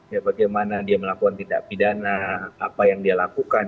ya bagaimana dia melakukan tindak pidana apa yang dia lakukan